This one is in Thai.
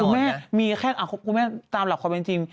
คุณแม่มีแค่คุณแม่ตามหลักความเป็นจริง